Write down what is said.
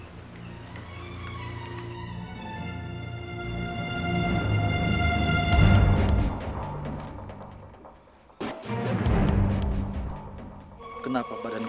kami berdua dewasa tinggi